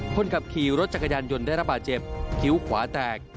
คนขับขี่รถจักรยานยนต์ได้ระบาดเจ็บคิ้วขวาแตก